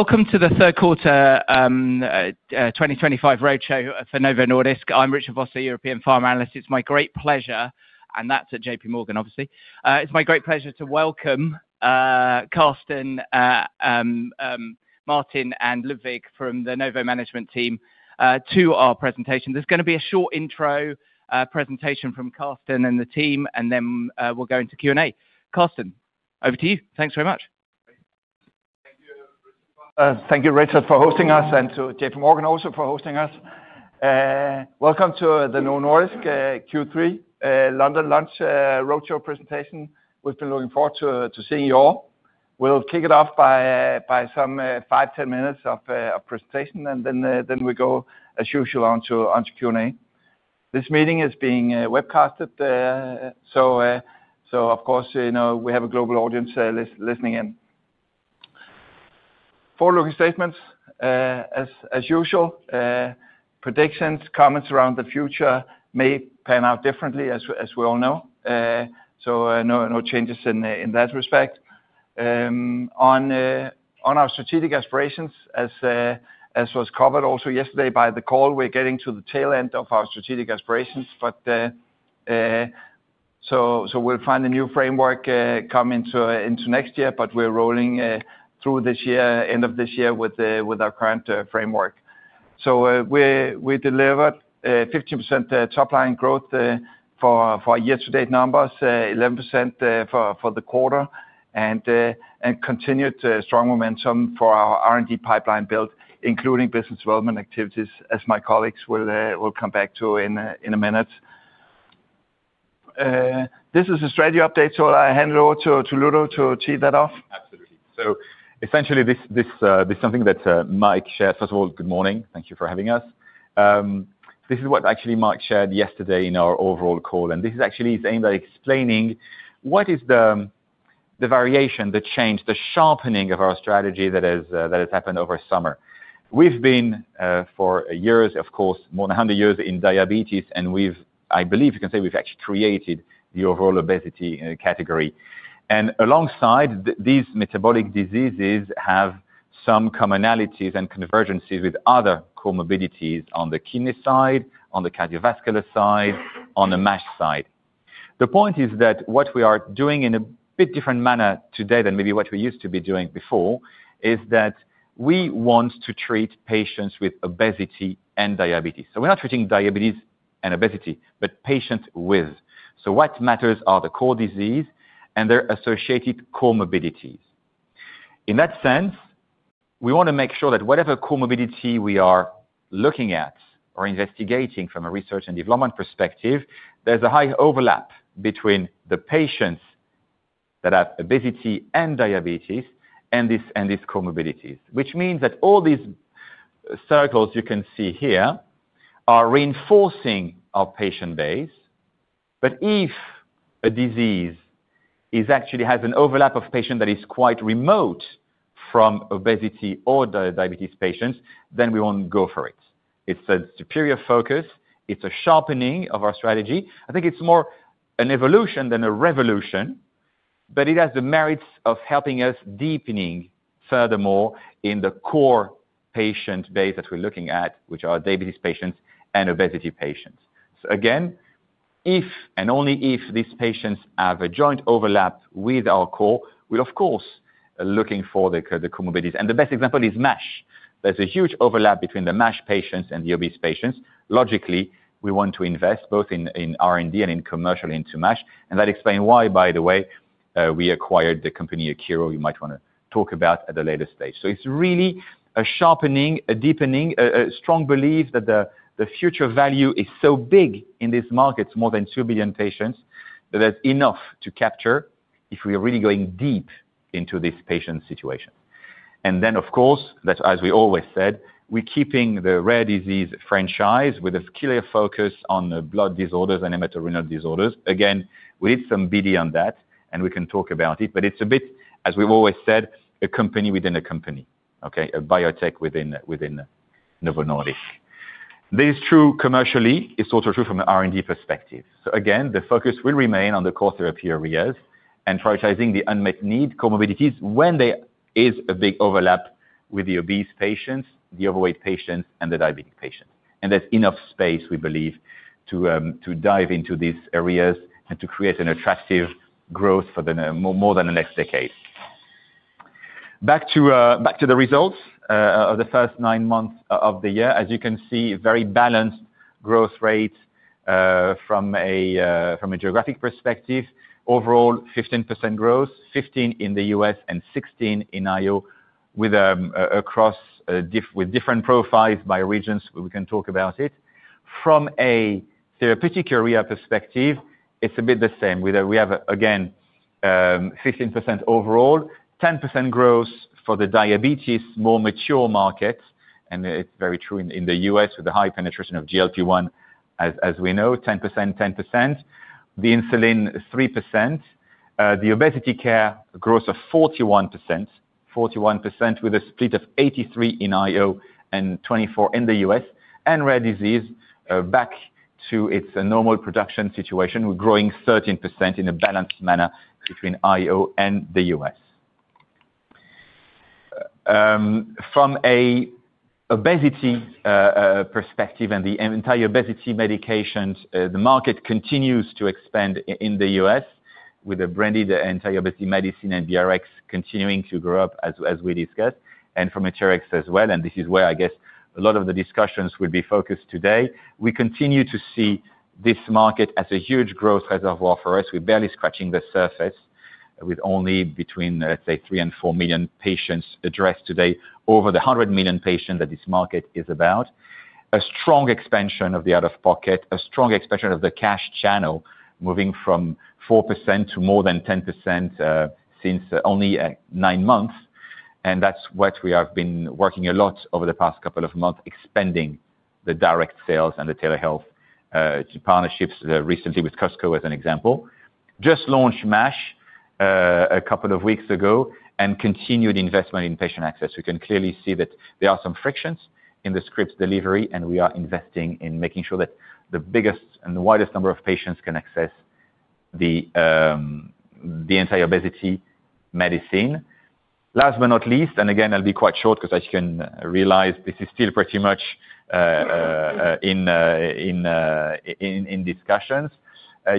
Welcome to the Third Quarter, 2025 roadshow for Novo Nordisk. I'm Richard Vosser, European Pharma Analyst. It's my great pleasure, and that's at JPMorgan, obviously. It's my great pleasure to welcome Karsten, Martin, and Ludovic from the Novo Management Team to our presentation. There's going to be a short intro, presentation from Karsten and the team, and then we'll go into Q&A. Karsten, over to you. Thanks very much. Thank you, Richard. Thank you, Richard, for hosting us, and to JPMorgan also for hosting us. Welcome to the Novo Nordisk Q3 London lunch roadshow presentation. We've been looking forward to seeing you all. We'll kick it off by some 5-10 minutes of presentation, and then we go, as usual, on to Q&A. This meeting is being webcast, so of course, you know, we have a global audience listening in. Forward-looking statements, as usual. Predictions, comments around the future may pan out differently, as we all know, so no changes in that respect. On our strategic aspirations, as was covered also yesterday by the call, we're getting to the tail end of our strategic aspirations, so we'll find a new framework coming into next year. We're rolling through this year, end of this year with our current framework. We delivered 15% top-line growth for yesterday's numbers, 11% for the quarter, and continued strong momentum for our R&D pipeline build, including business development activities, as my colleagues will come back to in a minute. This is a strategy update. I'll hand it over to Ludo to tee that off. Absolutely. So essentially, this is something that Mike shared. First of all, good morning. Thank you for having us. This is what actually Mike shared yesterday in our overall call. This is actually his aim by explaining what is the variation, the change, the sharpening of our strategy that has happened over summer. We have been, for years, of course, more than 100 years in diabetes. I believe you can say we have actually created the overall obesity category. Alongside, these metabolic diseases have some commonalities and convergencies with other comorbidities on the kidney side, on the cardiovascular side, on the MASH side. The point is that what we are doing in a bit different manner today than maybe what we used to be doing before is that we want to treat patients with obesity and diabetes. We're not treating diabetes and obesity, but patients with. What matters are the core disease and their associated comorbidities. In that sense, we want to make sure that whatever comorbidity we are looking at or investigating from a research and development perspective, there's a high overlap between the patients that have obesity and diabetes and these comorbidities, which means that all these circles you can see here are reinforcing our patient base. If a disease actually has an overlap of patient that is quite remote from obesity or diabetes patients, then we won't go for it. It's a superior focus. It's a sharpening of our strategy. I think it's more an evolution than a revolution, but it has the merits of helping us deepening furthermore in the core patient base that we're looking at, which are diabetes patients and obesity patients. If and only if these patients have a joint overlap with our core, we're of course looking for the comorbidities. The best example is MASH. There's a huge overlap between the MASH patients and the obese patients. Logically, we want to invest both in R&D and in commercial into MASH. That explains why, by the way, we acquired the company Akero. You might want to talk about that at a later stage. It's really a sharpening, a deepening, a strong belief that the future value is so big in this market, more than 2 billion patients, that there's enough to capture if we are really going deep into this patient situation. Of course, as we always said, we're keeping the rare disease franchise with a clear focus on blood disorders and hematurenal disorders. Again, we need some BD on that, and we can talk about it. It is a bit, as we have always said, a company within a company, okay, a biotech within, within Novo Nordisk. This is true commercially. It is also true from an R&D perspective. Again, the focus will remain on the core therapy areas and prioritizing the unmet need comorbidities when there is a big overlap with the obese patients, the overweight patients, and the diabetic patients. There is enough space, we believe, to dive into these areas and to create an attractive growth for more than the next decade. Back to the results of the first nine months of the year. As you can see, very balanced growth rates from a geographic perspective. Overall, 15% growth, 15% in the U.S. and 16% in IO, with different profiles by regions. We can talk about it. From a therapeutic area perspective, it is a bit the same, with, we have again, 15% overall, 10% growth for the diabetes, more mature market. It is very true in the U.S. with the high penetration of GLP-1, as we know, 10%, 10%. The insulin, 3%. The obesity care growth of 41%, 41% with a split of 83% in IO and 24% in the U.S.. And rare disease, back to its normal production situation, growing 13% in a balanced manner between IO and the U.S.. From an obesity perspective and the anti-obesity medications, the market continues to expand in the U.S. with the branded anti-obesity medicine and NBRX continuing to grow up as we discussed, and from Maziar as well. This is where, I guess, a lot of the discussions will be focused today. We continue to see this market as a huge growth reservoir for us. We're barely scratching the surface with only between, let's say, 3-4 million patients addressed today over the 100 million patients that this market is about. A strong expansion of the out-of-pocket, a strong expansion of the cash channel moving from 4% to more than 10% since only nine months. That's what we have been working a lot over the past couple of months, expanding the direct sales and the telehealth partnerships, recently with Costco as an example. Just launched MASH a couple of weeks ago and continued investment in patient access. We can clearly see that there are some frictions in the scripts delivery, and we are investing in making sure that the biggest and widest number of patients can access the, the anti-obesity medicine. Last but not least, and again, I'll be quite short because as you can realize, this is still pretty much in discussions.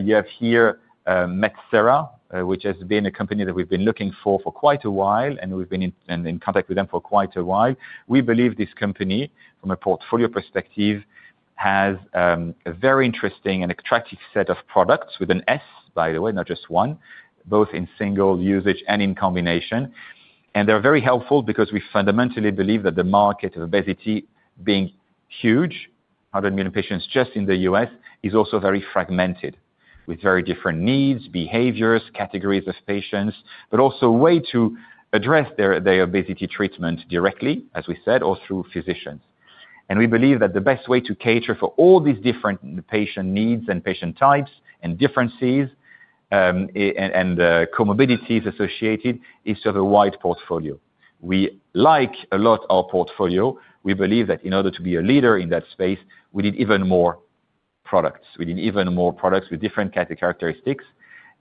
You have here, Metsera, which has been a company that we've been looking for, for quite a while, and we've been in contact with them for quite a while. We believe this company, from a portfolio perspective, has a very interesting and attractive set of products with an S, by the way, not just one, both in single usage and in combination. They're very helpful because we fundamentally believe that the market of obesity being huge, 100 million patients just in the U.S., is also very fragmented with very different needs, behaviors, categories of patients, but also a way to address their obesity treatment directly, as we said, or through physicians. We believe that the best way to cater for all these different patient needs and patient types and differences, and comorbidities associated, is to have a wide portfolio. We like a lot our portfolio. We believe that in order to be a leader in that space, we need even more products. We need even more products with different kinds of characteristics.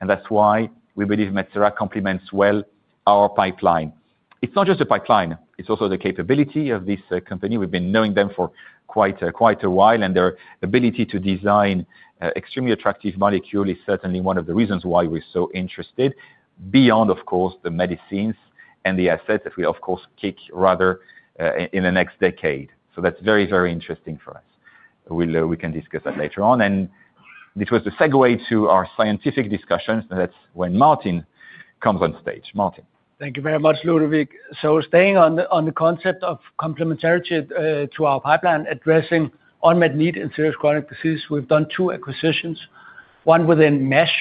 That's why we believe Metsera complements well our pipeline. It's not just the pipeline. It's also the capability of this company. We've been knowing them for quite, quite a while. Their ability to design extremely attractive molecules is certainly one of the reasons why we're so interested, beyond, of course, the medicines and the assets that we'll, of course, kick rather, in the next decade. That is very, very interesting for us. We can discuss that later on. This was the segue to our scientific discussions. That is when Martin comes on stage. Martin. Thank you very much, Ludovic. Staying on the concept of complementarity to our pipeline addressing unmet need in serious chronic disease, we've done two acquisitions, one within MASH.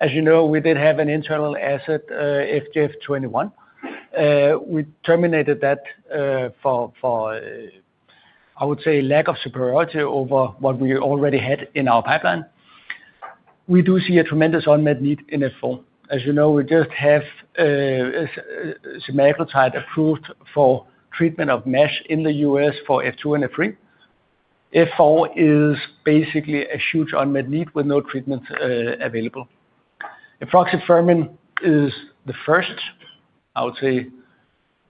As you know, we did have an internal asset, FGF21. We terminated that for, I would say, lack of superiority over what we already had in our pipeline. We do see a tremendous unmet need in F4. As you know, we just have a semaglutide approved for treatment of MASH in the U.S. for F2 and F3. F4 is basically a huge unmet need with no treatment available. Efruxifermin is the first, I would say,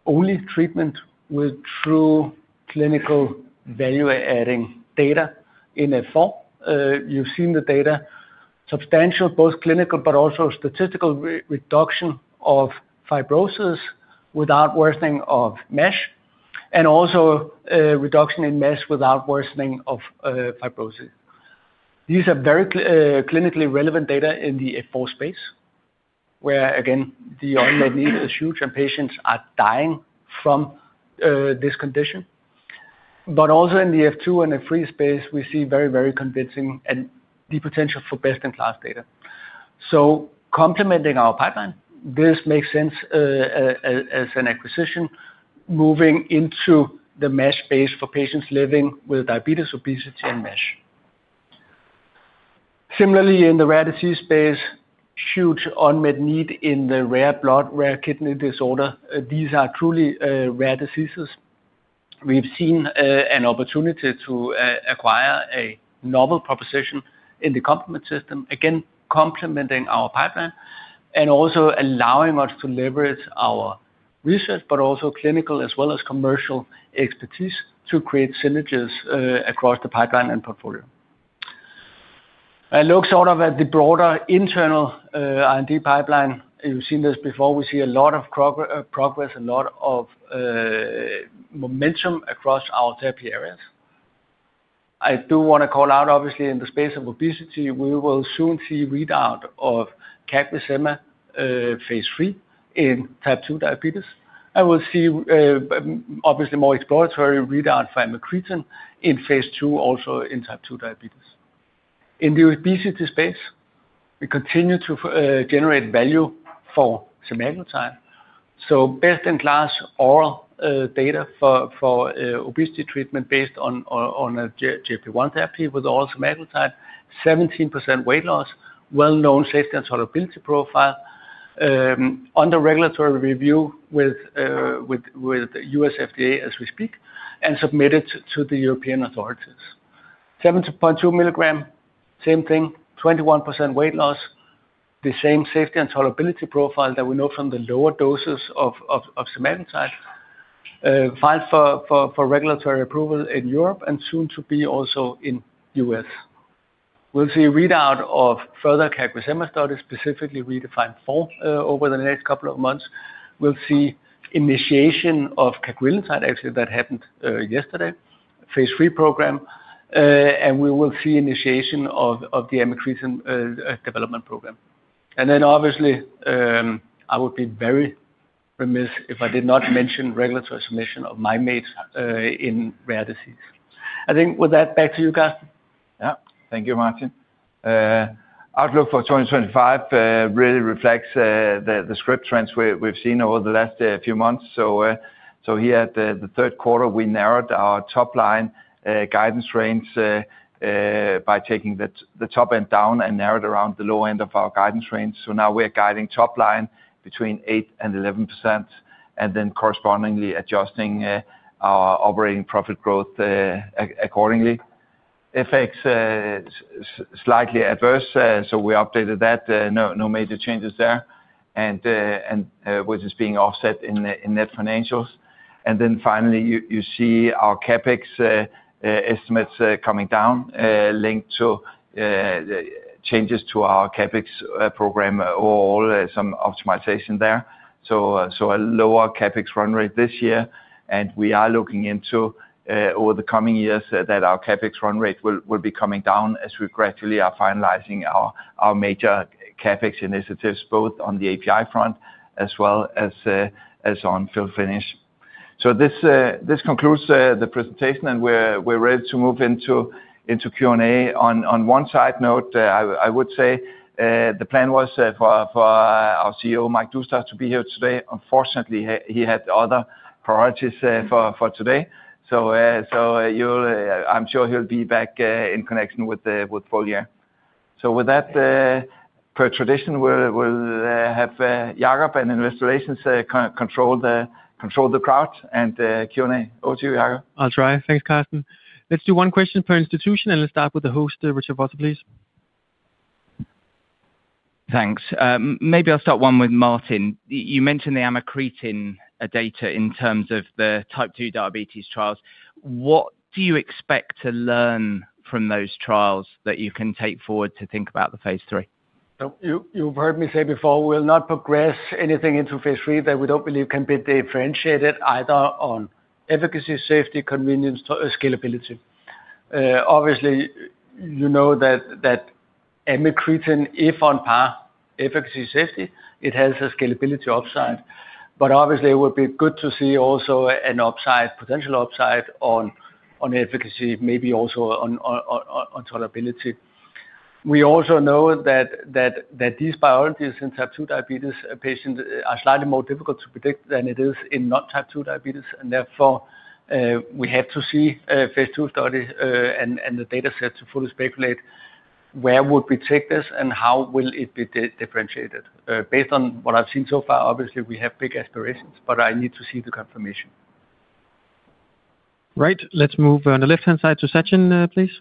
only treatment with true clinical value-adding data in F4. You've seen the data, substantial, both clinical but also statistical reduction of fibrosis without worsening of MASH and also reduction in MASH without worsening of fibrosis. These are very clinically relevant data in the F4 space, where, again, the unmet need is huge and patients are dying from this condition. Also, in the F2 and F3 space, we see very, very convincing and the potential for best-in-class data. Complementing our pipeline, this makes sense as an acquisition moving into the MASH space for patients living with diabetes, obesity, and MASH. Similarly, in the rare disease space, huge unmet need in the rare blood, rare kidney disorder. These are truly rare diseases. We've seen an opportunity to acquire a novel proposition in the complement system, again, complementing our pipeline and also allowing us to leverage our research, but also clinical as well as commercial expertise to create synergies across the pipeline and portfolio. I look sort of at the broader internal R&D pipeline. You've seen this before. We see a lot of progress, a lot of momentum across our therapy areas. I do want to call out, obviously, in the space of obesity, we will soon see readout of CagriSema, phase III in type 2 diabetes. We will see, obviously, more exploratory readout for amycretin in phase II, also in type 2 diabetes. In the obesity space, we continue to generate value for semaglutide. Best-in-class oral data for obesity treatment based on a GLP-1 therapy with oral semaglutide, 17% weight loss, well-known safety and tolerability profile, under regulatory review with U.S. FDA as we speak, and submitted to the European authorities. 7.2 mg, same thing, 21% weight loss, the same safety and tolerability profile that we know from the lower doses of semaglutide, filed for regulatory approval in Europe and soon to be also in the U.S.. We'll see readout of further CagriSema studies, specifically redefined four, over the next couple of months. We'll see initiation of CagriSema actually, that happened yesterday, phase III program. We will see initiation of the amycretin development program. I would be very remiss if I did not mention regulatory submission of MyMed in rare disease. I think with that, back to you, Karsten. Yeah. Thank you, Martin. Outlook for 2025 really reflects the script trends we've seen over the last few months. Here at the third quarter, we narrowed our top line guidance range by taking the top end down and narrowed around the low end of our guidance range. Now we are guiding top line between 8%-11%, and then correspondingly adjusting our operating profit growth accordingly. FX slightly adverse, so we updated that. No major changes there, which is being offset in net financials. Finally, you see our CapEx estimates coming down, linked to changes to our CapEx program overall, some optimization there. A lower CapEx run rate this year. We are looking into, over the coming years, that our CapEx run rate will be coming down as we gradually are finalizing our major CapEx initiatives, both on the API front as well as on fill finish. This concludes the presentation, and we're ready to move into Q&A. On one side note, I would say the plan was for our CEO, Mike Doustdar, to be here today. Unfortunately, he had other priorities for today. I'm sure he'll be back in connection with the portfolio. With that, per tradition, we'll have Jacob and Investor Relations control the crowd and Q&A. Over to you, Jacob. I'll try. Thanks, Karsten. Let's do one question per institution, and let's start with the host, Richard Vosser, please. Thanks. Maybe I'll start one with Martin. You mentioned the amycretin data in terms of the type 2 diabetes trials. What do you expect to learn from those trials that you can take forward to think about the phase III? You've heard me say before, we'll not progress anything into phase III that we don't believe can be differentiated either on efficacy, safety, convenience, or scalability. Obviously, you know that amycretin, if on par efficacy, safety, it has a scalability upside. Obviously, it would be good to see also an upside, potential upside on efficacy, maybe also on tolerability. We also know that these priorities in type 2 diabetes patients are slightly more difficult to predict than it is in non-type 2 diabetes. Therefore, we have to see phase II study and the data set to fully speculate where would we take this and how will it be differentiated. Based on what I've seen so far, obviously, we have big aspirations, but I need to see the confirmation. Right. Let's move on the left-hand side to Sachin, please.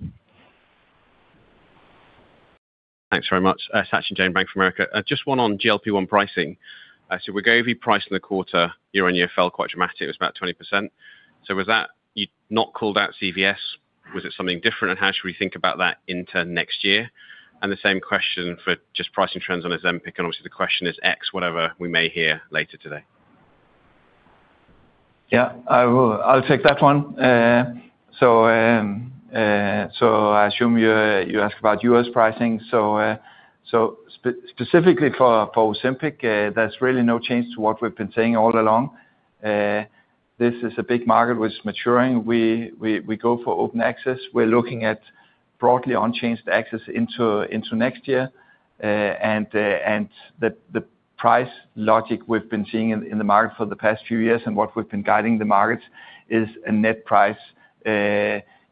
Thanks very much. Sachin Jain, Bank of America. Just one on GLP-1 pricing. Wegovy priced in the quarter, year-on-year fell quite dramatically. It was about 20%. Was that you not called out CVS? Was it something different? How should we think about that into next year? The same question for just pricing trends on Ozempic. Obviously, the question is X, whatever we may hear later today. Yeah. I'll take that one. I assume you ask about U.S. pricing. Specifically for Ozempic, there's really no change to what we've been saying all along. This is a big market which is maturing. We go for open access. We're looking at broadly unchanged access into next year. The price logic we've been seeing in the market for the past few years and what we've been guiding the markets is a net price,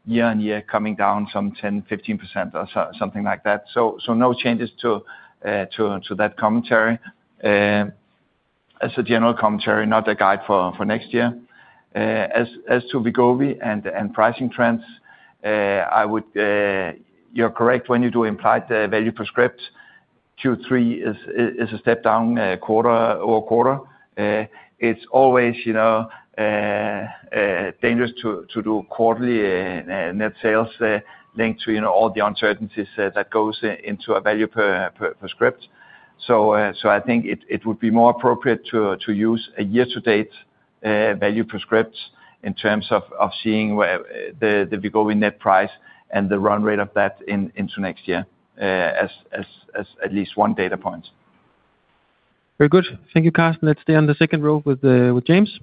year-on-year coming down some 10%-15% or so, something like that. No changes to that commentary. As a general commentary, not a guide for next year. As to Wegovy and pricing trends, you're correct when you do implied value per script. Q3 is a step down, quarter over quarter. It's always, you know, dangerous to do quarterly net sales linked to, you know, all the uncertainties that goes into a value per script. I think it would be more appropriate to use a year-to-date value per script in terms of seeing where the Wegovy net price and the run rate of that into next year, as at least one data point. Very good. Thank you, Karsten. Let's stay on the second row with, with James.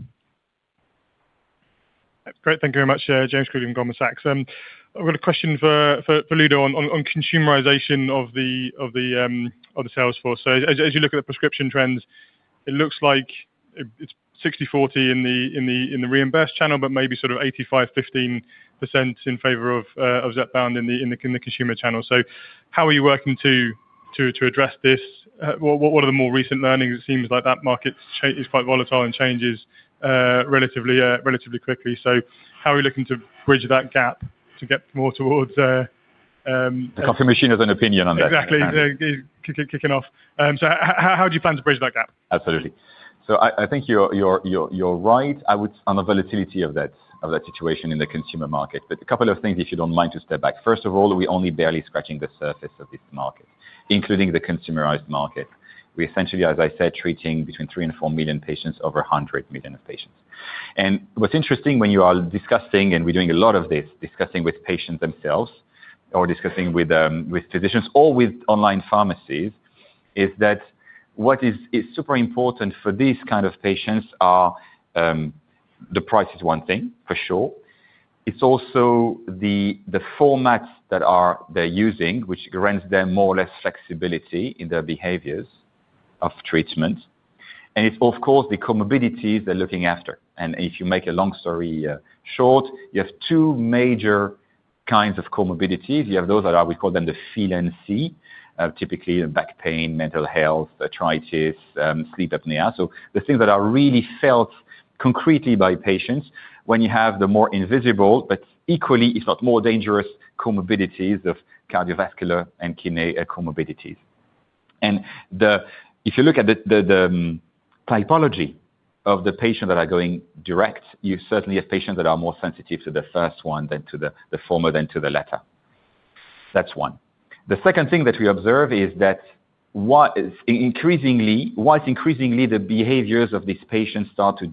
Great. Thank you very much, James Quigley and Goldman Sachs. I've got a question for Ludo on consumerization of the sales force. As you look at the prescription trends, it looks like it's 60/40 in the reimbursed channel, but maybe sort of 85% 15% in favor of Zepbound in the consumer channel. How are you working to address this? What are the more recent learnings? It seems like that market's change is quite volatile and changes relatively quickly. How are you looking to bridge that gap to get more towards, The coffee machine has an opinion on that. Exactly. Yeah. Kicking off. How do you plan to bridge that gap? Absolutely. I think you're right. I would on the volatility of that situation in the consumer market. A couple of things, if you don't mind, to step back. First of all, we're only barely scratching the surface of this market, including the consumerized market. We essentially, as I said, treating between three and four million patients over a hundred million of patients. What's interesting when you are discussing, and we're doing a lot of this, discussing with patients themselves or discussing with physicians or with online pharmacies, is that what is super important for these kind of patients are, the price is one thing for sure. It's also the formats that they're using, which grants them more or less flexibility in their behaviors of treatment. It's, of course, the comorbidities they're looking after. If you make a long story short, you have two major kinds of comorbidities. You have those that are, we call them the feel and see, typically back pain, mental health, arthritis, sleep apnea. The things that are really felt concretely by patients, then you have the more invisible but equally, if not more dangerous, comorbidities of cardiovascular and kidney comorbidities. If you look at the typology of the patient that are going direct, you certainly have patients that are more sensitive to the former than to the latter. That's one. The second thing that we observe is that what is increasingly, what's increasingly the behaviors of these patients start to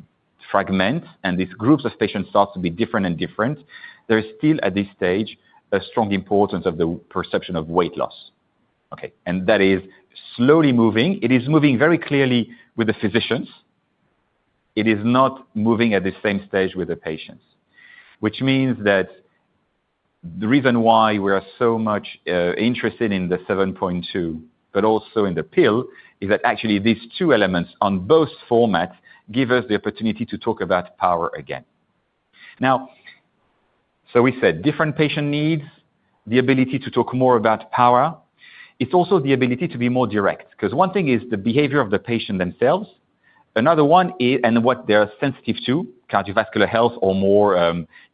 fragment and these groups of patients start to be different and different. There's still at this stage a strong importance of the perception of weight loss. Okay? That is slowly moving. It is moving very clearly with the physicians. It is not moving at the same stage with the patients, which means that the reason why we are so much interested in the 7.2 mg, but also in the pill, is that actually these two elements on both formats give us the opportunity to talk about power again. Now, we said different patient needs, the ability to talk more about power. It's also the ability to be more direct. 'Cause one thing is the behavior of the patient themselves. Another one is, and what they're sensitive to, cardiovascular health or more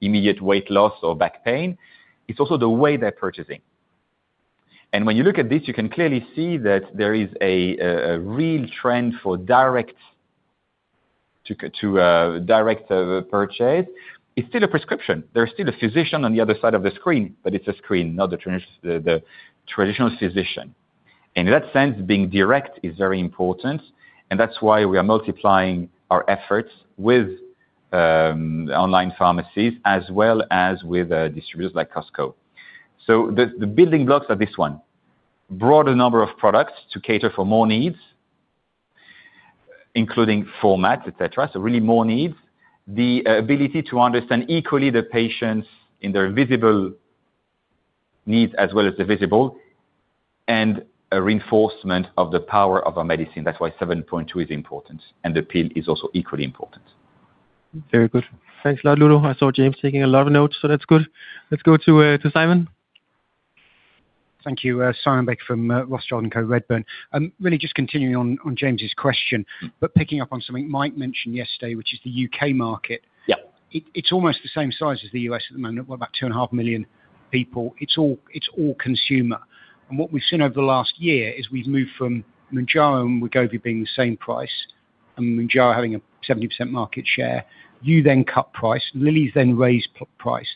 immediate weight loss or back pain, it's also the way they're purchasing. When you look at this, you can clearly see that there is a real trend for direct, to direct purchase. It's still a prescription. There's still a physician on the other side of the screen, but it's a screen, not the traditional physician. In that sense, being direct is very important. That's why we are multiplying our efforts with online pharmacies as well as with distributors like Costco. The building blocks are this one, broader number of products to cater for more needs, including formats, etc. Really more needs, the ability to understand equally the patients in their visible needs as well as the visible. And a reinforcement of the power of our medicine. That's why 7.2 mg is important. The pill is also equally important. Very good. Thanks a lot, Ludo. I saw James taking a lot of notes. That's good. Let's go to Simon. Thank you. Simon Baker from Redburn. Really just continuing on James's question, but picking up on something Mike mentioned yesterday, which is the U.K. market. Yeah. It, it's almost the same size as the US at the moment. What, about two and a half million people. It's all, it's all consumer. What we've seen over the last year is we've moved from Mounjaro and Wegovy being the same price and Mounjaro having a 70% market share. You then cut price. Lilly's then raised price.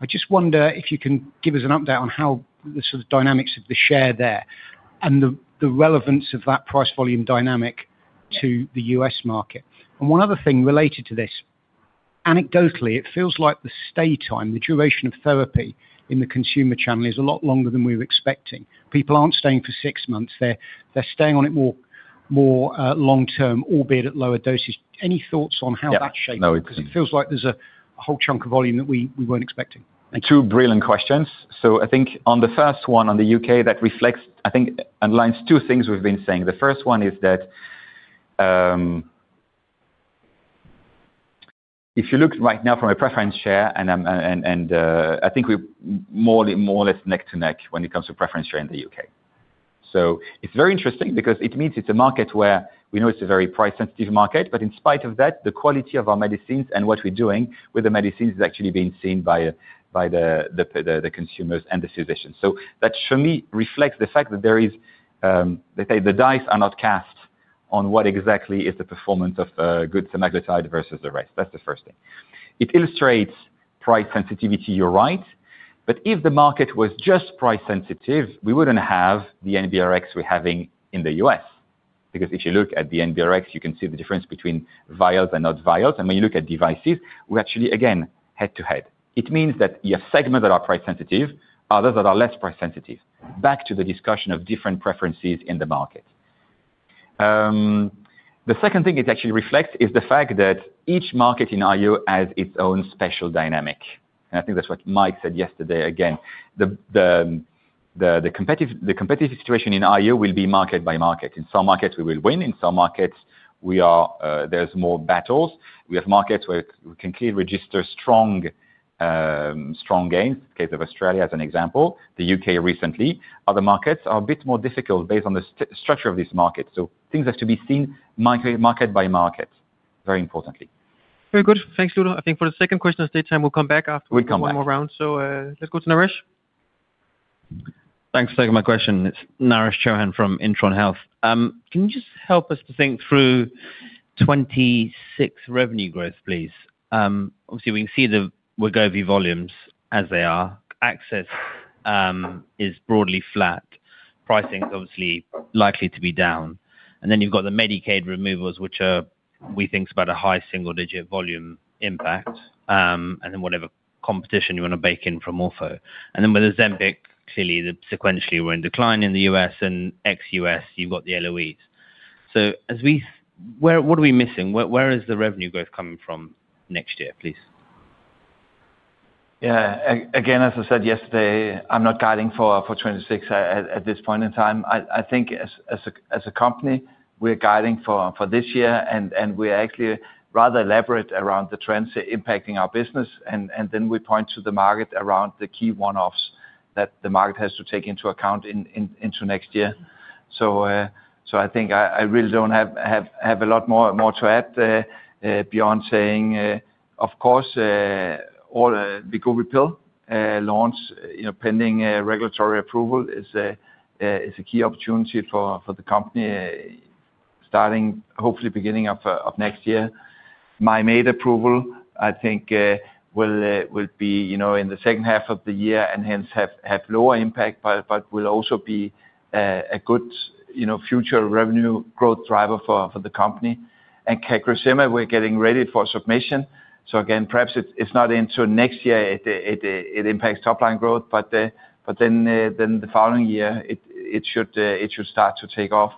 I just wonder if you can give us an update on how the sort of dynamics of the share there and the relevance of that price volume dynamic to the U.S. market. One other thing related to this, anecdotally, it feels like the stay time, the duration of therapy in the consumer channel is a lot longer than we were expecting. People aren't staying for six months. They're staying on it more, more long term, albeit at lower dosage. Any thoughts on how that shapes? Yeah. No, it's. 'Cause it feels like there's a whole chunk of volume that we weren't expecting. Two brilliant questions. I think on the first one, on the U.K., that reflects, I think, aligns two things we've been saying. The first one is that if you look right now from a preference share, I think we're more or less neck to neck when it comes to preference share in the U.K. It's very interesting because it means it's a market where we know it's a very price-sensitive market. In spite of that, the quality of our medicines and what we're doing with the medicines is actually being seen by the consumers and the physicians. That for me reflects the fact that there is, let's say, the dice are not cast on what exactly is the performance of a good semaglutide versus the rest. That's the first thing. It illustrates price sensitivity, you're right. If the market was just price sensitive, we would not have the NBRX we are having in the U.S. Because if you look at the NBRX, you can see the difference between vials and not vials. When you look at devices, we are actually, again, head to head. It means that you have segments that are price sensitive, others that are less price sensitive. Back to the discussion of different preferences in the market. The second thing it actually reflects is the fact that each market in IO has its own special dynamic. I think that is what Mike said yesterday. Again, the competitive situation in IO will be market by market. In some markets, we will win. In some markets, there are more battles. We have markets where we can clearly register strong gains, the case of Australia as an example. The U.K. recently. Other markets are a bit more difficult based on the structure of this market. Things have to be seen market by market, very importantly. Very good. Thanks, Ludo. I think for the second question of stay time, we'll come back after. We'll come back. One more round. Let's go to Naresh. Thanks for taking my question. It's Naresh Chouhan from Intron Health. Can you just help us to think through 2026 revenue growth, please? Obviously, we can see the Wegovy volumes as they are. Access is broadly flat. Pricing's obviously likely to be down. And then you've got the Medicaid removals, which are, we think, about a high single-digit volume impact, and then whatever competition you wanna bake in from Ortho. And then with Ozempic, clearly, sequentially we're in decline in the U.S. and ex-U.S., you've got the LOEs. As we see where, what are we missing? Where is the revenue growth coming from next year, please? Yeah. Again, as I said yesterday, I'm not guiding for 2026 at this point in time. I think as a company, we're guiding for this year. We're actually rather elaborate around the trends impacting our business. Then we point to the market around the key one-offs that the market has to take into account into next year. I think I really don't have a lot more to add, beyond saying, of course, Wegovy pill launch, you know, pending regulatory approval, is a key opportunity for the company, starting hopefully beginning of next year. MyMed approval, I think, will be, you know, in the second half of the year and hence have lower impact, but will also be a good, you know, future revenue growth driver for the company. And CagriSema, we're getting ready for submission. Perhaps it is not into next year, it impacts top line growth, but then the following year, it should start to take off.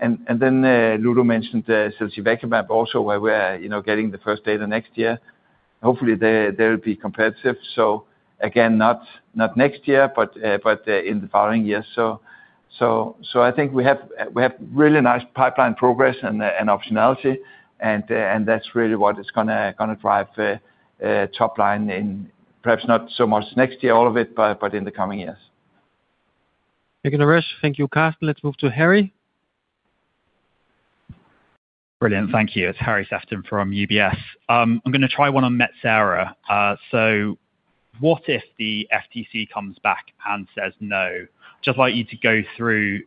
Ludo mentioned semaglutide also, where we are getting the first data next year. Hopefully, they will be competitive. Not next year, but in the following year. I think we have really nice pipeline progress and optionality. That is really what is going to drive top line in perhaps not so much next year, all of it, but in the coming years. Thank you, Naresh. Thank you, Karsten. Let's move to Harry. Brilliant. Thank you. It's Harry Sephton from UBS. I'm gonna try one on Metsera. What if the FTC comes back and says no? Just like you to go through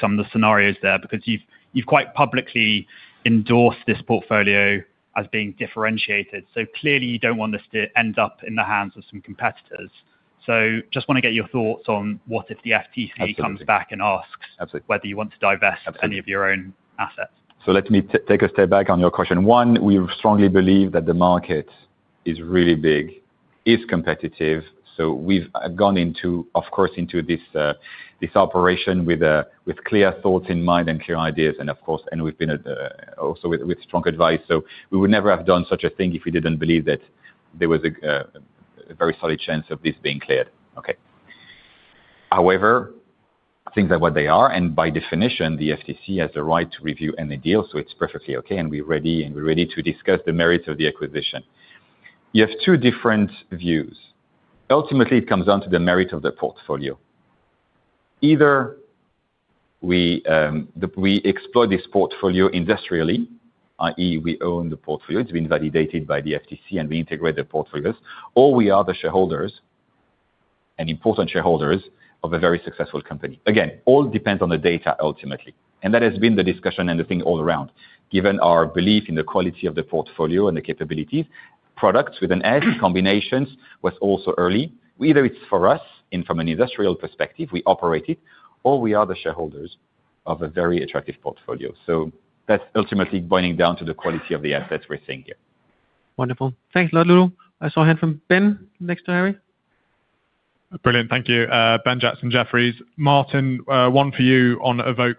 some of the scenarios there because you've quite publicly endorsed this portfolio as being differentiated. Clearly, you don't want this to end up in the hands of some competitors. Just wanna get your thoughts on what if the FTC comes back and asks. Absolutely. Whether you want to divest any of your own assets. Let me take a step back on your question. One, we strongly believe that the market is really big, is competitive. We have gone into, of course, this operation with clear thoughts in mind and clear ideas. We have been also with strong advice. We would never have done such a thing if we did not believe that there was a very solid chance of this being cleared. Okay? However, things are what they are. By definition, the FTC has the right to review any deal. It is perfectly okay. We are ready, and we are ready to discuss the merits of the acquisition. You have two different views. Ultimately, it comes down to the merit of the portfolio. Either we exploit this portfolio industrially, i.e., we own the portfolio. It's been validated by the FTC, and we integrate the portfolios. We are the shareholders, and important shareholders of a very successful company. It all depends on the data ultimately. That has been the discussion and the thing all around. Given our belief in the quality of the portfolio and the capabilities, products with an S, combinations was also early. Either it's for us from an industrial perspective, we operate it, or we are the shareholders of a very attractive portfolio. That's ultimately boiling down to the quality of the assets we're seeing here. Wonderful. Thanks, Ludo. I saw a hand from Ben next to Harry. Brilliant. Thank you. Ben Jackson, Jefferies. Martin, one for you on Evoke+,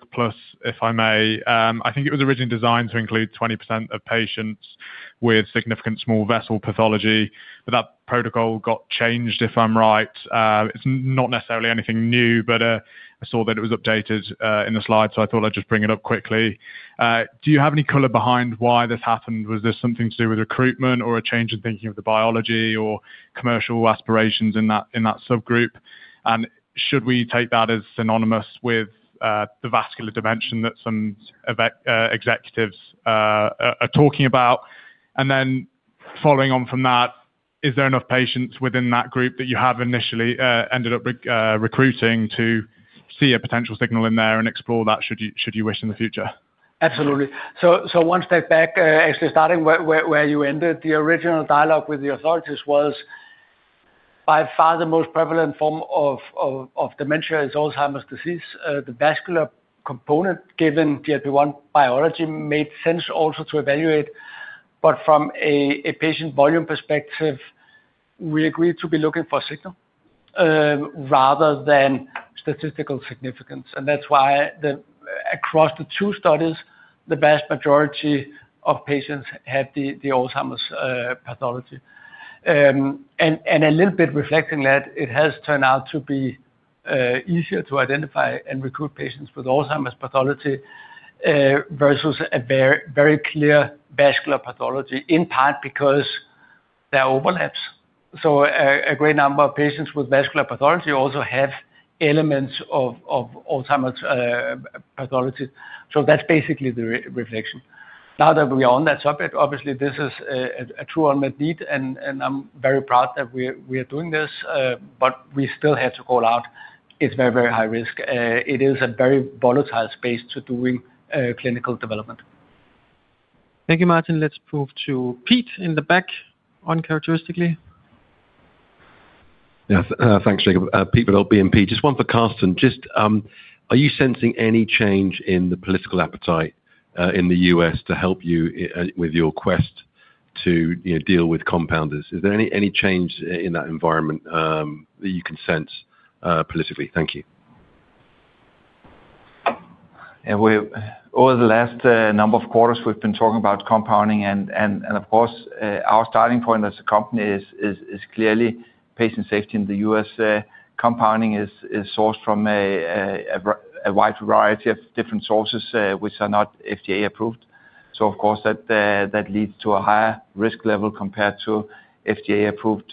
if I may. I think it was originally designed to include 20% of patients with significant small vessel pathology. That protocol got changed, if I'm right. It's not necessarily anything new, but I saw that it was updated in the slide. I thought I'd just bring it up quickly. Do you have any color behind why this happened? Was this something to do with recruitment or a change in thinking of the biology or commercial aspirations in that subgroup? Should we take that as synonymous with the vascular dimension that some Evoke executives are talking about? Then following on from that, is there enough patients within that group that you have initially ended up recruiting to see a potential signal in there and explore that should you wish in the future? Absolutely. One step back, actually starting where you ended, the original dialogue with the authorities was. By far the most prevalent form of dementia is Alzheimer's disease. The vascular component given GLP-1 biology made sense also to evaluate. From a patient volume perspective, we agreed to be looking for signal, rather than statistical significance. That is why, across the two studies, the vast majority of patients had the Alzheimer's pathology. A little bit reflecting that, it has turned out to be easier to identify and recruit patients with Alzheimer's pathology, versus a very clear vascular pathology, in part because there are overlaps. A great number of patients with vascular pathology also have elements of Alzheimer's pathology. That is basically the reflection. Now that we are on that subject, obviously, this is a true unmet need. And I'm very proud that we're doing this, but we still have to call out it's very, very high risk. It is a very volatile space to do clinical development. Thank you, Martin. Let's move to Pete in the back on, characteristically. Yes. Thanks, Jacob. Pete with OBMP. Just one for Karsten. Just, are you sensing any change in the political appetite, in the U.S. to help you, with your quest to, you know, deal with compounders? Is there any, any change in that environment, that you can sense, politically? Thank you. Yeah. Over the last number of quarters, we've been talking about compounding. Of course, our starting point as a company is clearly patient safety in the US. Compounding is sourced from a wide variety of different sources, which are not FDA approved. Of course, that leads to a higher risk level compared to FDA approved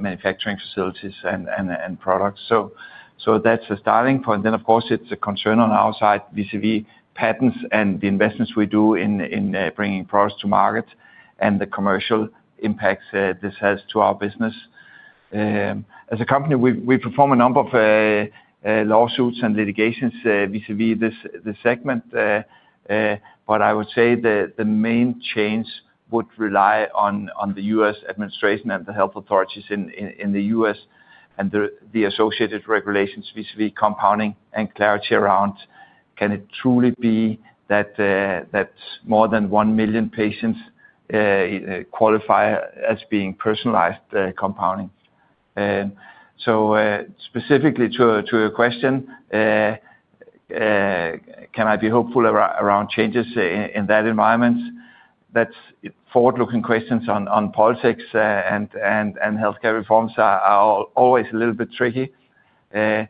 manufacturing facilities and products. That is a starting point. There is a concern on our side vis-à-vis patents and the investments we do in bringing products to market and the commercial impacts this has to our business. As a company, we perform a number of lawsuits and litigations vis-à-vis this segment. I would say the main change would rely on the U.S. administration and the health authorities in the U.S. and the associated regulations vis-à-vis compounding and clarity around can it truly be that more than 1 million patients qualify as being personalized compounding? Specifically to your question, can I be hopeful around changes in that environment? That's forward-looking questions on politics and healthcare reforms are always a little bit tricky. I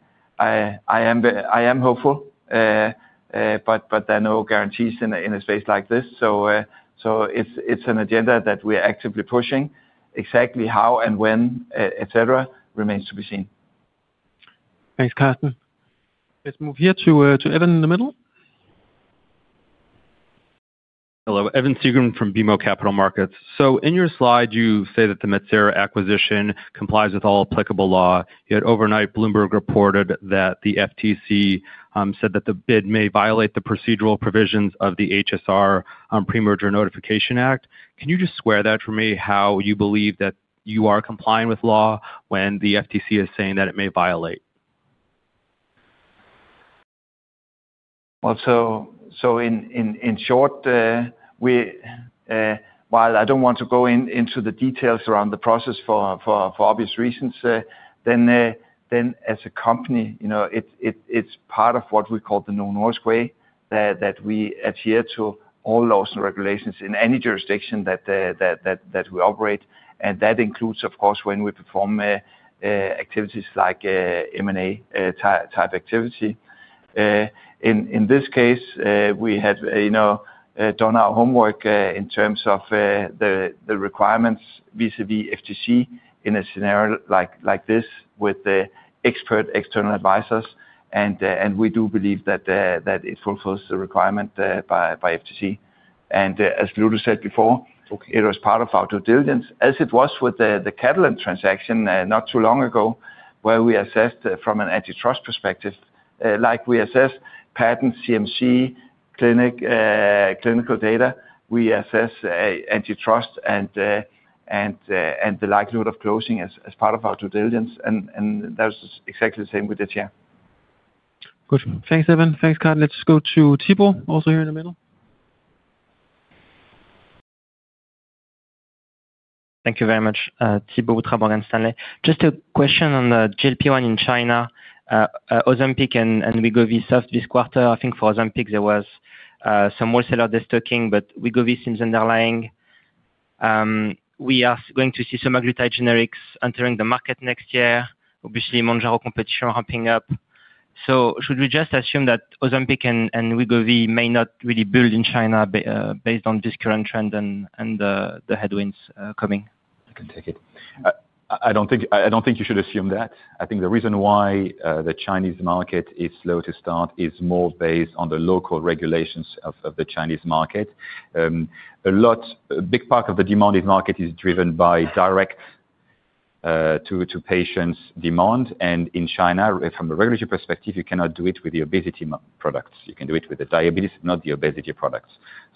am hopeful, but there are no guarantees in a space like this. It's an agenda that we are actively pushing. Exactly how and when, et cetera, remains to be seen. Thanks, Karsten. Let's move here to, to Evan in the middle. Hello. Evan Siegerman from BMO Capital Markets. In your slide, you say that the Metsera acquisition complies with all applicable law. Yet overnight, Bloomberg reported that the FTC said that the bid may violate the procedural provisions of the HSR Pre-Merger Notification Act. Can you just square that for me, how you believe that you are complying with law when the FTC is saying that it may violate? In short, while I don't want to go into the details around the process for obvious reasons, as a company, you know, it's part of what we call the Novo Nordisk way, that we adhere to all laws and regulations in any jurisdiction that we operate. That includes, of course, when we perform activities like M&A type activity. In this case, we had, you know, done our homework in terms of the requirements vis-à-vis FTC in a scenario like this with the expert external advisors. We do believe that it fulfills the requirement by FTC, as Ludo said before. Okay. It was part of our due diligence, as it was with the Catalent transaction not too long ago, where we assessed from an antitrust perspective, like we assess patents, CMC, clinical data. We assess antitrust and the likelihood of closing as part of our due diligence. That was exactly the same with this year. Good. Thanks, Evan. Thanks, Karsten. Let's go to Thibault, also here in the middle. Thank you very much. Thibault with Morgan Stanley. Just a question on the GLP-1 in China. Ozempic and Wegovy soft this quarter. I think for Ozempic, there was some wholesaler destocking, but Wegovy seems underlying. We are going to see some semaglutide generics entering the market next year, obviously Mounjaro competition ramping up. Should we just assume that Ozempic and Wegovy may not really build in China based on this current trend and the headwinds coming? I can take it. I do not think you should assume that. I think the reason why the Chinese market is slow to start is more based on the local regulations of the Chinese market. A big part of the demand in market is driven by direct to patients' demand. In China, from a regulatory perspective, you cannot do it with the obesity products. You can do it with the diabetes, not the obesity products.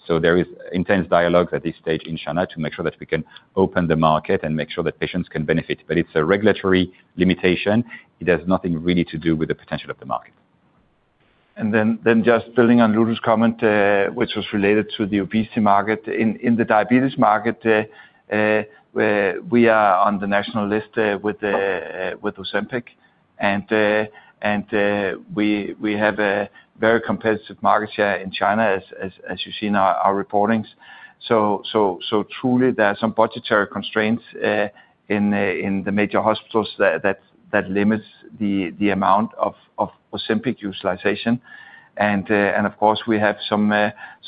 There is intense dialogue at this stage in China to make sure that we can open the market and make sure that patients can benefit. It is a regulatory limitation. It has nothing really to do with the potential of the market. Then just building on Ludo's comment, which was related to the obesity market, in the diabetes market, we are on the national list with Ozempic. We have a very competitive market here in China, as you've seen our reportings. Truly, there are some budgetary constraints in the major hospitals that limit the amount of Ozempic utilization. Of course, we have some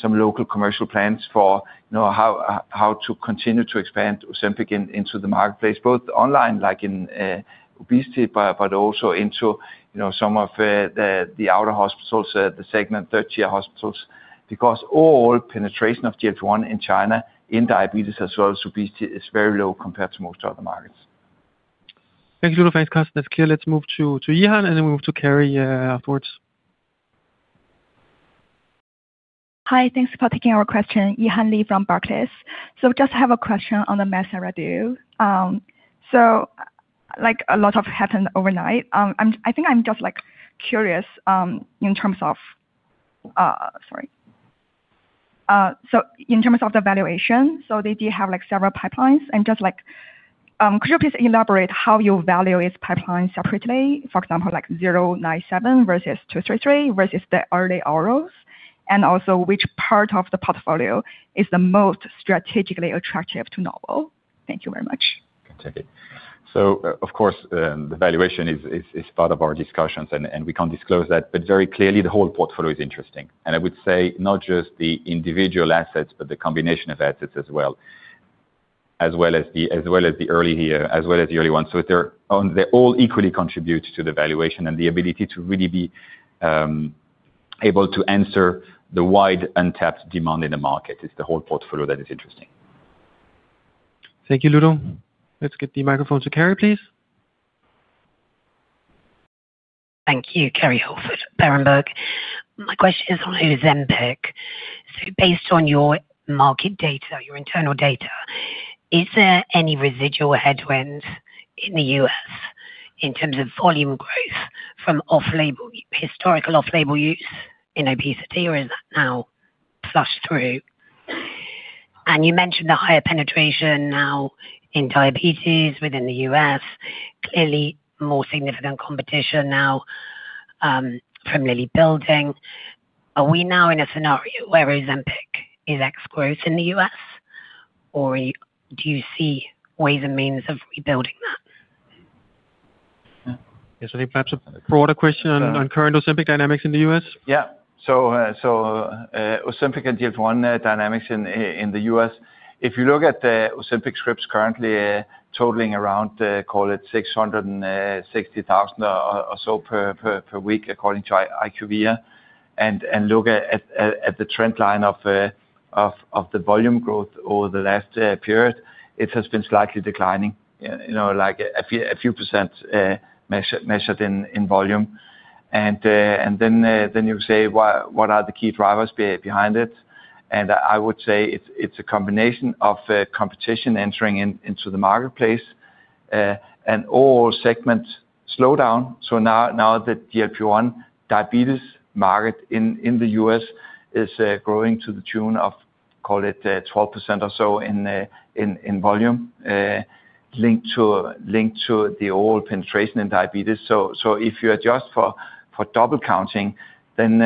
local commercial plans for, you know, how to continue to expand Ozempic into the marketplace, both online, like in obesity, but also into some of the outer hospitals, the segment, third-tier hospitals, because overall penetration of GLP-1 in China in diabetes as well as obesity is very low compared to most other markets. Thank you, Ludo. Thanks, Karsten. Let's move to Yihan, and then we move to Kerry afterwards. Hi. Thanks for taking our question. Yihan Li from Barclays. I just have a question on the Metsera deal. A lot happened overnight. I'm, I think I'm just, like, curious, in terms of, sorry, in terms of the valuation. They do have several pipelines. Could you please elaborate how you value its pipeline separately, for example, like 097 versus 233 versus the early ROs? Also, which part of the portfolio is the most strategically attractive to Novo? Thank you very much. Of course, the valuation is part of our discussions, and we can't disclose that. Very clearly, the whole portfolio is interesting. I would say not just the individual assets, but the combination of assets as well, as well as the early ones. They all equally contribute to the valuation, and the ability to really be able to answer the wide untapped demand in the market is the whole portfolio that is interesting. Thank you, Ludo. Let's get the microphone to Kerry, please. Thank you, Kerry Holford, Berenberg. My question is on Ozempic. Based on your market data, your internal data, is there any residual headwinds in the U.S. in terms of volume growth from off-label, historical off-label use in obesity, or is that now flushed through? You mentioned the higher penetration now in diabetes within the U.S., clearly more significant competition now from Lilly building. Are we now in a scenario where Ozempic is ex-growth in the U.S.? Do you see ways and means of rebuilding that? Yes, I think perhaps a broader question on, on current Ozempic dynamics in the U.S. Yeah. Ozempic and GLP-1 dynamics in the U.S, if you look at the Ozempic scripts currently, totaling around, call it 660,000 or so per week, according to IQVIA, and look at the trend line of the volume growth over the last period, it has been slightly declining, you know, like a few percent, measured in volume. Then you say, what are the key drivers behind it? I would say it's a combination of competition entering into the marketplace, and overall segment slowdown. Now the GLP-1 diabetes market in the U.S. is growing to the tune of, call it, 12% or so in volume, linked to the overall penetration in diabetes. If you adjust for double counting, then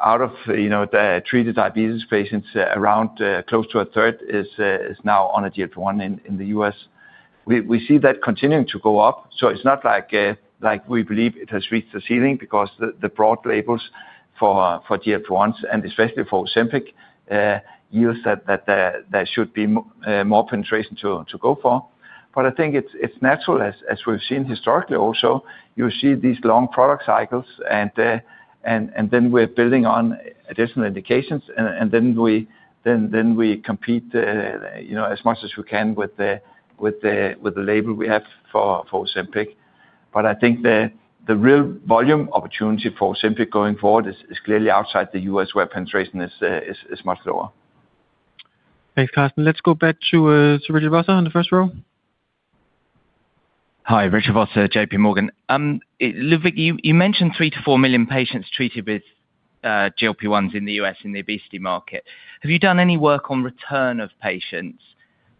out of the treated diabetes patients, around, close to a third is now on a GLP-1 in the U.S. We see that continuing to go up. It's not like we believe it has reached the ceiling because the broad labels for GLP-1s and especially for Ozempic, yields that there should be more penetration to go for. I think it's natural, as we've seen historically also, you see these long product cycles and then we're building on additional indications. Then we compete, you know, as much as we can with the label we have for Ozempic. I think the real volume opportunity for Ozempic going forward is clearly outside the U.S. where penetration is much lower. Thanks, Karsten. Let's go back to, to Richard Vosser in the first row. Hi, Richard Vosser, JP Morgan. Ludo, you mentioned three to four million patients treated with GLP-1s in the US in the obesity market. Have you done any work on return of patients?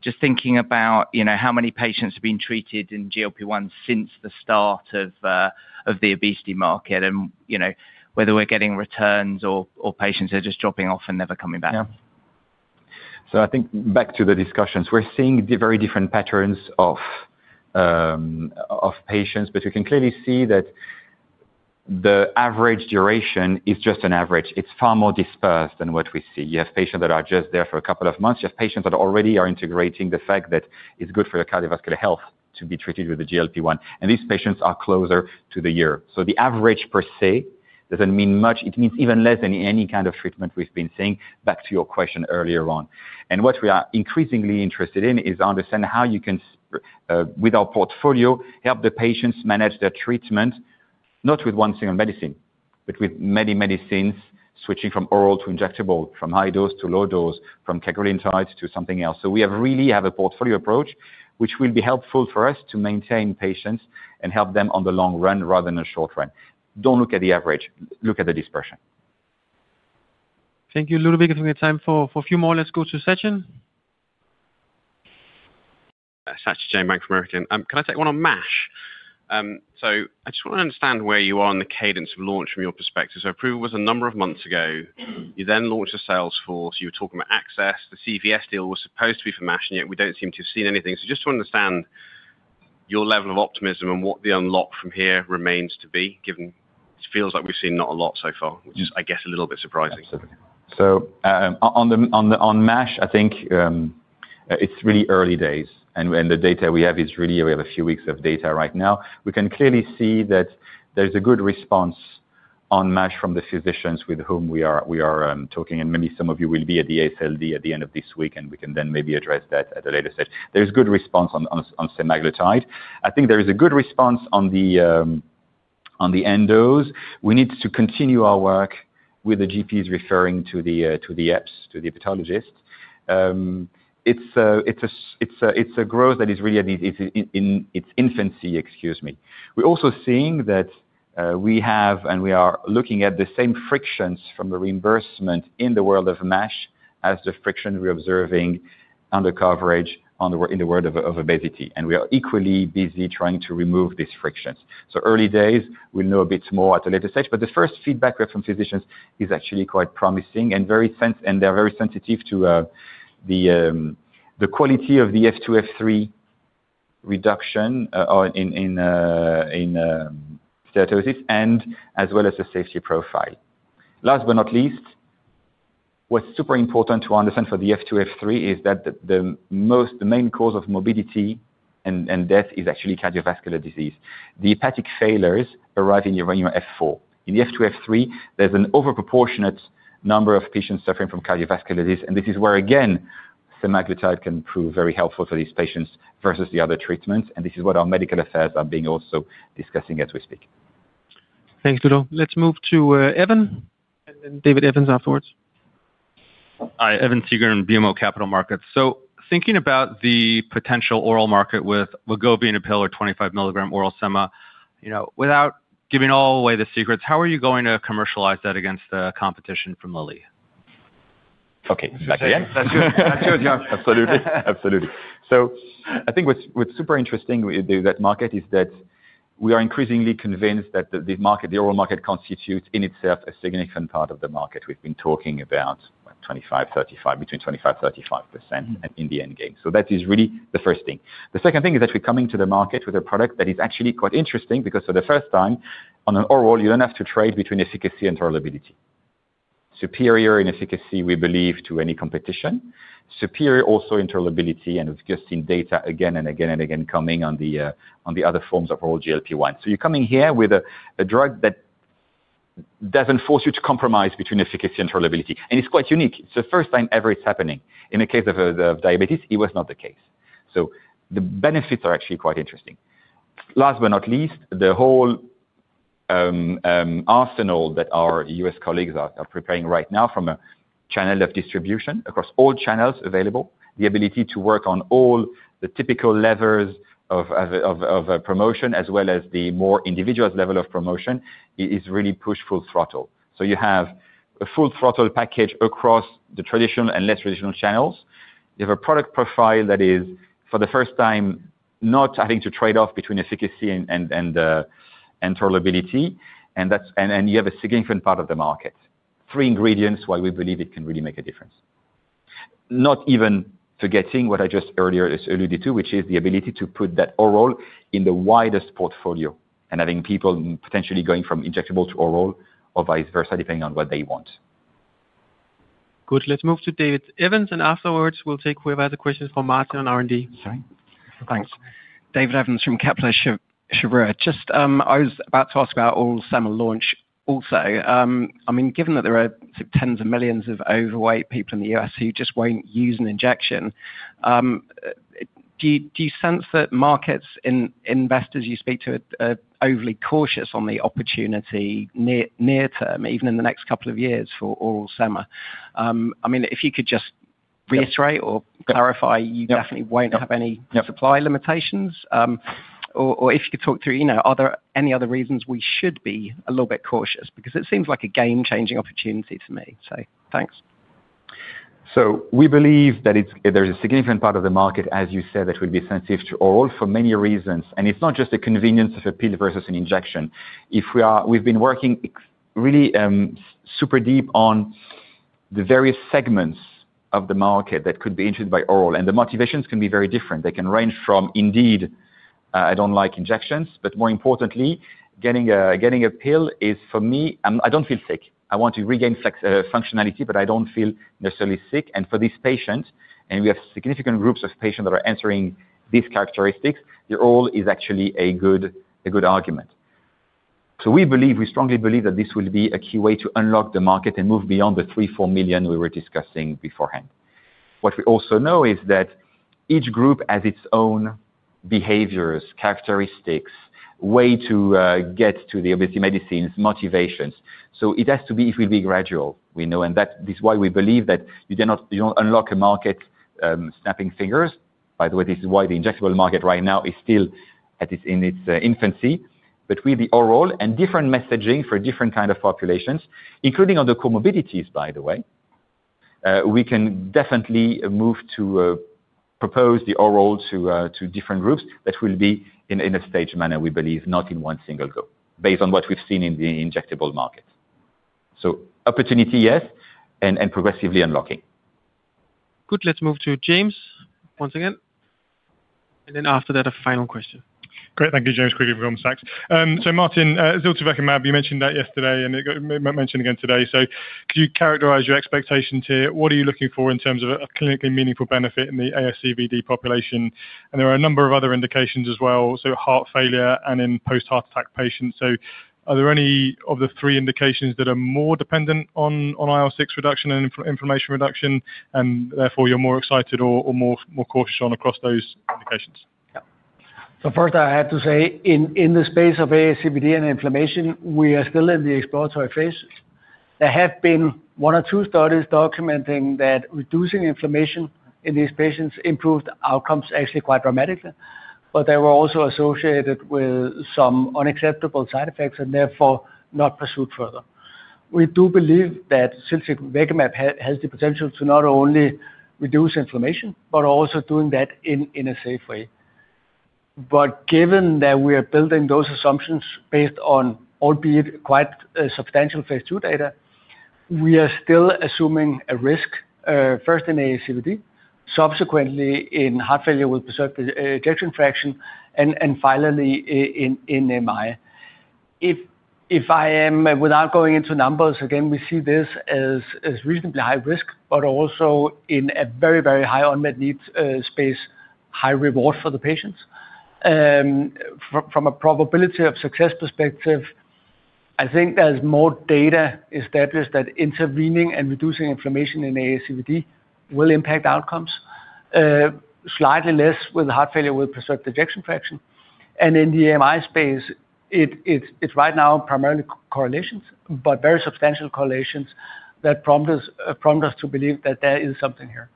Just thinking about, you know, how many patients have been treated in GLP-1s since the start of the obesity market and, you know, whether we're getting returns or patients are just dropping off and never coming back. Yeah. I think back to the discussions, we're seeing very different patterns of patients, but we can clearly see that the average duration is just an average. It's far more dispersed than what we see. You have patients that are just there for a couple of months. You have patients that already are integrating the fact that it's good for your cardiovascular health to be treated with a GLP-1. These patients are closer to the year. The average per se doesn't mean much. It means even less than any kind of treatment we've been seeing, back to your question earlier on. What we are increasingly interested in is understanding how you can, with our portfolio, help the patients manage their treatment, not with one single medicine, but with many medicines, switching from oral to injectable, from high dose to low dose, from Cagrilintide to something else. We really have a portfolio approach which will be helpful for us to maintain patients and help them on the long run rather than the short run. Don't look at the average. Look at the dispersion. Thank you, Ludo. Thank you for your time. For a few more, let's go to Sachin. Sachin Jain, Bank of America. Can I take one on MASH? I just want to understand where you are on the cadence of launch from your perspective. It was a number of months ago. You then launched a sales force. You were talking about access. The CVS deal was supposed to be for MASH, and yet we do not seem to have seen anything. I just want to understand your level of optimism and what the unlock from here remains to be, given it feels like we have seen not a lot so far, which is, I guess, a little bit surprising. Absolutely. On MASH, I think it's really early days. The data we have is really we have a few weeks of data right now. We can clearly see that there's a good response on MASH from the physicians with whom we are talking. Maybe some of you will be at the ASLD at the end of this week, and we can then maybe address that at a later stage. There's good response on semaglutide. I think there is a good response on the end dose. We need to continue our work with the GPs referring to the hepatologists. It's a growth that is really in its infancy, excuse me. We're also seeing that we have, and we are looking at the same frictions from the reimbursement in the world of MASH as the friction we're observing under coverage in the world of obesity. We are equally busy trying to remove these frictions. Early days, we'll know a bit more at a later stage. The first feedback we have from physicians is actually quite promising and they're very sensitive to the quality of the F2, F3 reduction, or in steatosis, as well as the safety profile. Last but not least, what's super important to understand for the F2, F3 is that the main cause of morbidity and death is actually cardiovascular disease. The hepatic failures arrive in your F4. In the F2, F3, there's an overproportionate number of patients suffering from cardiovascular disease. This is where, again, semaglutide can prove very helpful for these patients versus the other treatments. This is what our medical affairs are also discussing as we speak. Thanks, Ludo. Let's move to Evan and then David Evans afterwards. Hi, Evan Seigerman, BMO Capital Markets. Thinking about the potential oral market with Wegovy in a pill or 25 mg oral sema, you know, without giving all away the secrets, how are you going to commercialize that against the competition from Lilly? Okay. That's good. That's good. That's good, yeah. Absolutely. Absolutely. I think what's super interesting with that market is that we are increasingly convinced that the oral market constitutes in itself a significant part of the market. We've been talking about 25%-35%, between 25%-35% in the end game. That is really the first thing. The second thing is that we're coming to the market with a product that is actually quite interesting because for the first time on an oral, you don't have to trade between efficacy and tolerability. Superior in efficacy, we believe, to any competition. Superior also in tolerability. We've just seen data again and again and again coming on the other forms of oral GLP-1. You're coming here with a drug that doesn't force you to compromise between efficacy and tolerability. It is quite unique. It is the first time ever it is happening. In the case of diabetes, it was not the case. The benefits are actually quite interesting. Last but not least, the whole arsenal that our U.S. colleagues are preparing right now from a channel of distribution across all channels available, the ability to work on all the typical levers of promotion as well as the more individual level of promotion is really push full throttle. You have a full throttle package across the traditional and less traditional channels. You have a product profile that is, for the first time, not having to trade off between efficacy and tolerability. You have a significant part of the market. Three ingredients why we believe it can really make a difference. Not even forgetting what I just earlier alluded to, which is the ability to put that oral in the widest portfolio and having people potentially going from injectable to oral or vice versa, depending on what they want. Good. Let's move to David Evans. Afterwards, we'll take away the questions from Martin on R&D. Sorry. Thanks. David Evans from Kepler Cheuvreux. Just, I was about to ask about Oral Sema launch also. I mean, given that there are tens of millions of overweight people in the U.S. who just won't use an injection, do you, do you sense that markets and investors you speak to are, are overly cautious on the opportunity near, near term, even in the next couple of years for Oral Sema? I mean, if you could just reiterate or clarify, you definitely won't have any supply limitations, or, or if you could talk through, you know, are there any other reasons we should be a little bit cautious? Because it seems like a game-changing opportunity to me. Thanks. We believe that there's a significant part of the market, as you said, that will be sensitive to oral for many reasons. It's not just the convenience of a pill versus an injection. We have been working really, super deep on the various segments of the market that could be interested by oral. The motivations can be very different. They can range from, indeed, I don't like injections. More importantly, getting a pill is, for me, I don't feel sick. I want to regain flex, functionality, but I don't feel necessarily sick. For these patients, and we have significant groups of patients that are entering these characteristics, the oral is actually a good argument. We believe, we strongly believe that this will be a key way to unlock the market and move beyond the three, four million we were discussing beforehand. What we also know is that each group has its own behaviors, characteristics, way to get to the obesity medicines, motivations. It has to be, it will be gradual, we know. That is why we believe that you cannot, you do not unlock a market, snapping fingers. By the way, this is why the injectable market right now is still in its infancy. With the oral and different messaging for different kind of populations, including on the comorbidities, by the way, we can definitely move to propose the oral to different groups that will be in a staged manner, we believe, not in one single goal, based on what we have seen in the injectable market. Opportunity, yes, and progressively unlocking. Good. Let's move to James once again. And then after that, a final question. Great. Thank you, James. Quickly before we move on to Saj. So Martin, Ziltivekimab, you mentioned that yesterday and it got mentioned again today. Could you characterize your expectations here? What are you looking for in terms of a clinically meaningful benefit in the ASCVD population? There are a number of other indications as well, heart failure and in post-heart attack patients. Are there any of the three indications that are more dependent on IL-6 reduction and inflammation reduction and therefore you're more excited or more cautious on across those indications? Yeah. First I have to say, in the space of ASCVD and inflammation, we are still in the exploratory phase. There have been one or two studies documenting that reducing inflammation in these patients improved outcomes actually quite dramatically. They were also associated with some unacceptable side effects and therefore not pursued further. We do believe that Ziltivekimab has the potential to not only reduce inflammation but also do that in a safe way. Given that we are building those assumptions based on, albeit quite substantial, phase II data, we are still assuming a risk, first in ASCVD, subsequently in heart failure with preserved ejection fraction, and finally in MI. If I am, without going into numbers, again, we see this as reasonably high risk but also in a very, very high unmet need space, high reward for the patients. From a probability of success perspective, I think there's more data established that intervening and reducing inflammation in ASCVD will impact outcomes, slightly less with heart failure with preserved ejection fraction. In the MI space, it's right now primarily correlations but very substantial correlations that prompt us to believe that there is something here.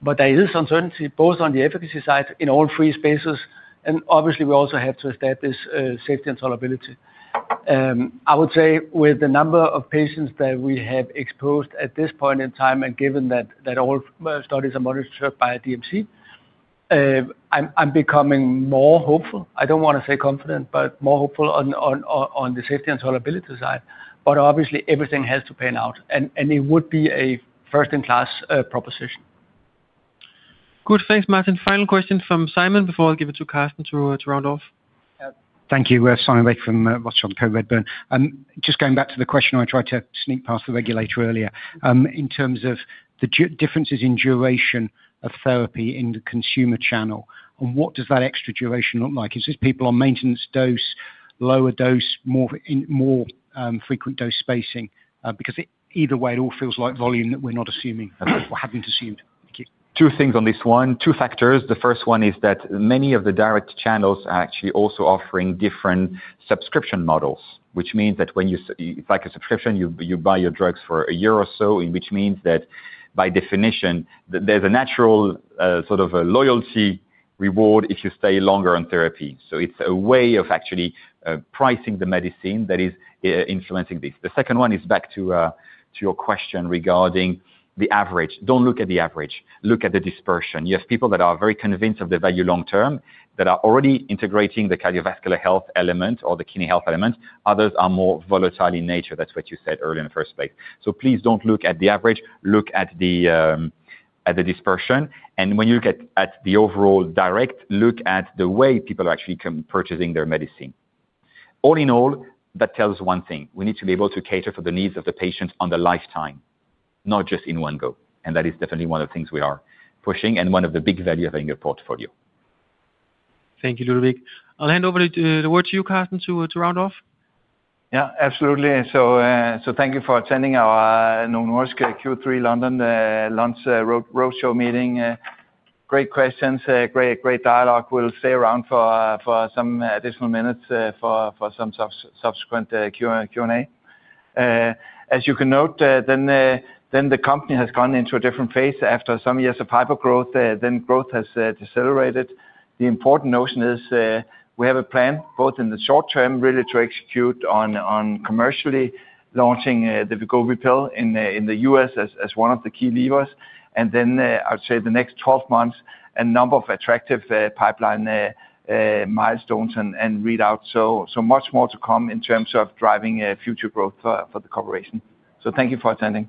There is uncertainty both on the efficacy side in all three spaces. Obviously, we also have to establish safety and tolerability. I would say with the number of patients that we have exposed at this point in time and given that all studies are monitored by DMC, I'm becoming more hopeful. I don't want to say confident, but more hopeful on the safety and tolerability side. Obviously, everything has to pan out. It would be a first-in-class proposition. Good. Thanks, Martin. Final question from Simon before I give it to Karsten to round off. Thank you. We have Simon Baker from Redburn. Just going back to the question, I tried to sneak past the regulator earlier. In terms of the differences in duration of therapy in the consumer channel, what does that extra duration look like? Is this people on maintenance dose, lower dose, more in, more frequent dose spacing? Because either way, it all feels like volume that we're not assuming or haven't assumed. Thank you. Two things on this one. Two factors. The first one is that many of the direct channels are actually also offering different subscription models, which means that when you, it's like a subscription, you buy your drugs for a year or so, which means that by definition, there's a natural, sort of a loyalty reward if you stay longer on therapy. It's a way of actually pricing the medicine that is influencing this. The second one is back to your question regarding the average. Don't look at the average. Look at the dispersion. You have people that are very convinced of the value long-term that are already integrating the cardiovascular health element or the kidney health element. Others are more volatile in nature. That's what you said early in the first place. Please don't look at the average. Look at the dispersion. When you look at the overall direct, look at the way people are actually purchasing their medicine. All in all, that tells one thing. We need to be able to cater for the needs of the patient on the lifetime, not just in one go. That is definitely one of the things we are pushing and one of the big value of having a portfolio. Thank you, Ludovic. I'll hand over the word to you, Karsten, to round off. Yeah. Absolutely. Thank you for attending our Novo Nordisk Q3 London lunch roadshow meeting. Great questions, great dialogue. We'll stay around for some additional minutes for some subsequent Q&A. As you can note, the company has gone into a different phase after some years of hypergrowth. Growth has decelerated. The important notion is, we have a plan both in the short term really to execute on commercially launching the Wegovy pill in the U.S. as one of the key levers. I would say the next 12 months, a number of attractive pipeline milestones and readouts. Much more to come in terms of driving future growth for the corporation. Thank you for attending.